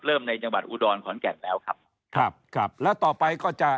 ในจังหวัดอุดรขอนแก่นแล้วครับครับแล้วต่อไปก็จะ